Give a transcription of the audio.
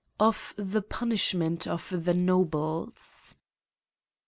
Of the Punishment of the J^Tohles.